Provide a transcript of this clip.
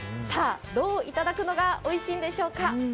どういただくのがおいしいんでしょうか？